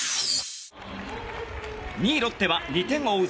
２位、ロッテは２点を追う